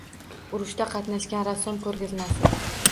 Urushda qatnashgan rassom ko‘rgazmasi